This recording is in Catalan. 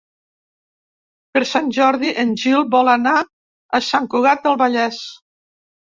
Per Sant Jordi en Gil vol anar a Sant Cugat del Vallès.